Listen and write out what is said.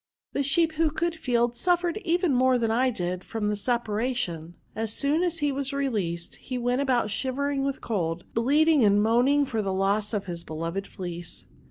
The sheep, who could feel, suf^ fered even more than I did from the separ ation^ As soon as he was released, he went about shivering with cold, bleating and moaning for the loss of his beloved fleece.